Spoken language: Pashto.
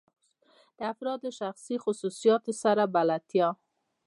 د افرادو له شخصي خصوصیاتو سره بلدیت.